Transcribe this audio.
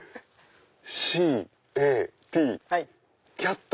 ＣＡＴキャット。